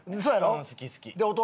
好き好き。